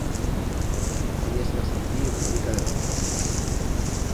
Ella se va sentir euforica de gozo.